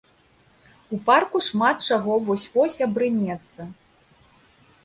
У парку шмат чаго вось-вось абрынецца.